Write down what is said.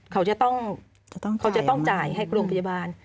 เขาจะต้องจ่ายให้โรงพยาบาล